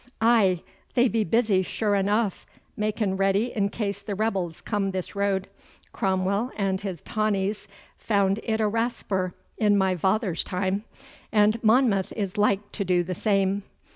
'Aye, they be busy sure enough, makin' ready in case the rebels come this road. Cromwell and his tawnies found it a rasper in my vather's time, and Monmouth is like to do the same.